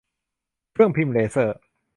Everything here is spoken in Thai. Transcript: เครื่องพิมพ์เลเซอร์